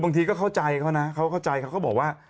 บางทีก็เข้าใจเขานะเขาเข้าใจเขาก็บอกว่า